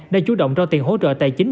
đã chủ động ra tiền hỗ trợ tài chính